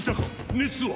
熱は？